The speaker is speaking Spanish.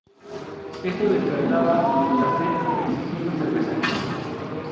Esto despertaba la sed, exigiendo cerveza.